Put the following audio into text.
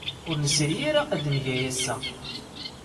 Ur nesri ara ad neg aya ass-a.